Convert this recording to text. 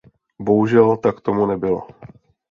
Bohužel tak tomu nebylo.